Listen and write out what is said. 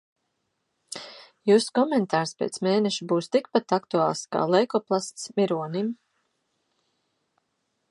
Jūsu komentārs pēc mēneša būs tikpat aktuāls kā leikoplasts mironim.